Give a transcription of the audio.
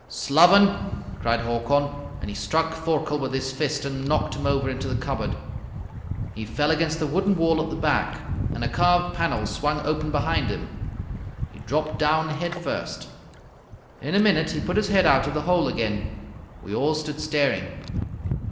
"'Sloven!' cried Hakon, and he struck Thorkel with his fist and knocked him over into the cupboard. "He fell against the wooden wall at the back, and a carved panel swung open behind him. He dropped down head first. In a minute he put his head out of the hole again. We all stood staring.